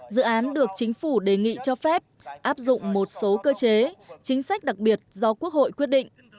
dự án được chính phủ đề nghị cho phép áp dụng một số cơ chế chính sách đặc biệt do quốc hội quyết định